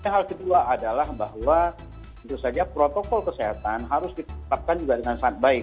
hal kedua adalah bahwa protokol kesehatan harus ditetapkan dengan sangat baik